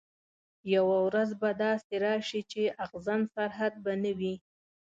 یوه ورځ به داسي راسي چي اغزن سرحد به نه وي